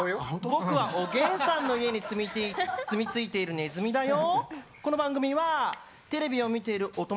僕はおげんさんの家に住み着いているねずみだよ！